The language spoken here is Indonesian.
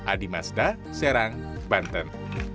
adi mazda serang banten